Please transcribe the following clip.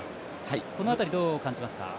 この辺りどう感じますか？